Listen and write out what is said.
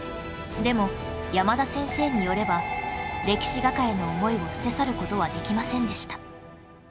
でも山田先生によれば歴史画家への思いを捨て去る事はできませんでした